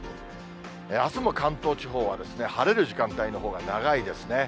あすも関東地方は晴れる時間帯のほうが長いですね。